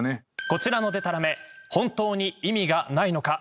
こちらのデタラメ本当に意味がないのか。